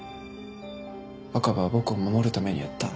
若葉は僕を守るためにやった。